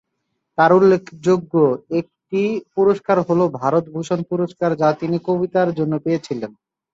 তার উল্লেখযোগ্য একটি পুরস্কার হলো- ভারত ভূষণ পুরস্কার যা তিনি কবিতার জন্য পেয়েছিলেন।